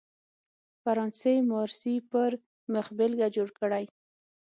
فرانسې مارسي پر مخبېلګه جوړ کړی.